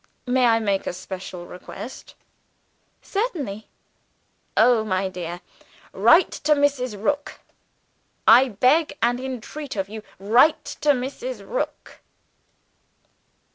"May I make a special request?" "Certainly." "Oh, my dear, write to Mrs. Rook! I beg and entreat of you, write to Mrs. Rook!"